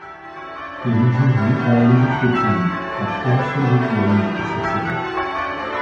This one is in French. Et Juju va aller jusqu'au crime en tuant celui qui anéantissait ses rêves.